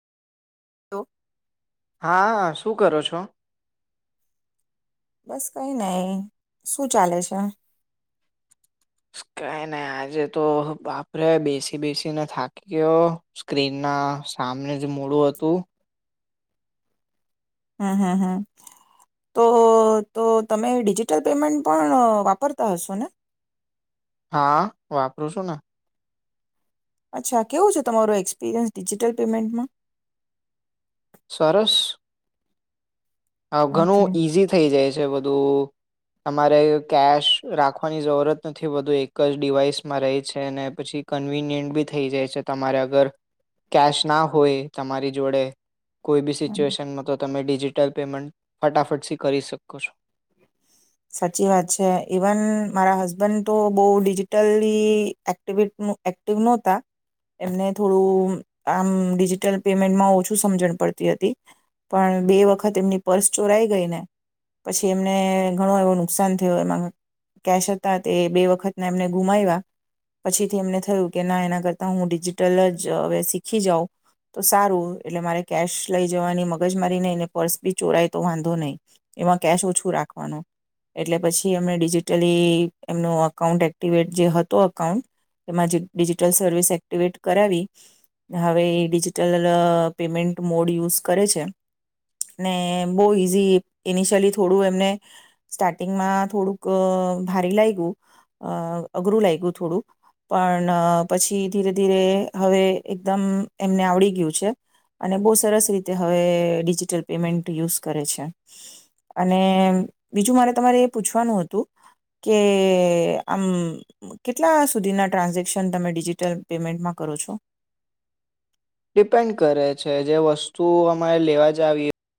તો. હા, શું કરો છો? બસ કંઈ નહીં, શું ચાલે છે? કંઈ નહીં, આજે તો બાપરે બેસી બેસીને થાકી ગયો, સ્ક્રીન ના સામને જ મડું હતું. હમ્મ હમ્મ હમ્મ, તો તો તમે ડિજિટલ પેમેન્ટ પણ વાપરતા હશો ને? હા, વાપરું છું ને. અચ્છા, કેવું છે તમારું એક્સપિરિયન્સ ડિજિટલ પેમેન્ટમાં? સરસ. હા, ઓકે ઘણું ઈઝી થઈ જાય છે. છે બધું તમારે કેશ રાખવાની જરૂરત નથી, બધું એક જ ડિવાઈસમાં રહે છે અને પછી કન્વીનિયન્ટ બી થઈ જાય છે તમારે અગર કેશ ના હોય તમારી જોડે. કોઈ બી સિચ્યુએશનમાં તો તમે ડી જિટલ. પેમેન્ટ ફટાફટથી કરી શકો છો. સાચી વાત છે, ઈવન મારા હસબન્ડ તો બહુ ડિજિટલી એક્ટ એક્ટિવ નહોતા, એમને થોડું આમ ડિજિટલ પેમેન્ટમાં ઓછું સમજણ પડતી હતી, પણ બે વખત એમની પર્સ ચોરાઈ ગઈ ને, પછી એમને ઘણો એવો નુકસાન થયો, એમાં કેશ હતો, તે બે વખતના એમને ગુમાવ્યા. પછીથી એમને થયું કે ના, એના કરતા હું ડિજિટલ જ હવે શીખી જાઉં તો સારું. એટલે મારે કેશ લઈ જવાની મગજ મારી નહીં, ને પર્સ બી ચોરાય તો વાંધો નહીં એમાં. કેશ તો ઓછું રાખવાનું, એટલે પછી એમને ડિજિટલી એમ અઉ એક્ટિવેટ જે હતો એકાઉન્ટ, એમાં ડિજિટલ સર્વિસ એક્ટિવેટ કરાવી, હવે એ ડિજિટલ પેમેન્ટ મોડું યુઝ કરે છે ને બહુ એસી ઇનિશ્યલી ત થોડું એમને સ્ટાર્ટિંગમાં થોડુંક ભારે લાગી ગયું, અઘરું લાગે ગયું થોડુંક, પણ પછી ધીરે ધીરે હવે એકદમ એમને આવડી ગયું છે અને બહુ સરસ રીતે હવે ડિજિટલ પેમેન્ટ યુઝ કરે છે. અને બીજું મારે તમારે એ પૂછવાનું હતું કે આમ કેટલા સુધીના ટ્રાન્ઝેક્શન તમે ડિજિટલ પેમેન્ટમાં કરો છો? ડિપેન્ડ કરે છે, જે વસ્તુ અમારે લેવા જાવી.